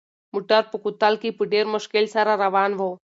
موټر په کوتل کې په ډېر مشکل سره روان و.